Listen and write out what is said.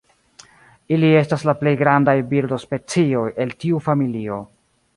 Ili estas la plej grandaj birdospecioj el tiu familio.